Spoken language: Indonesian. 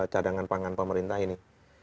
cadangan pangan pemerintah ini